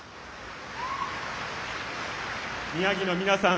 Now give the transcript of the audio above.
宮城の皆さん